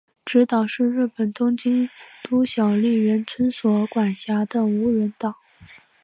侄岛是日本东京都小笠原村所管辖的无人岛。